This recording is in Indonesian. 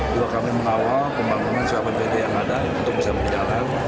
juga kami mengawal pembangunan siapa siapa yang ada untuk bisa berjaya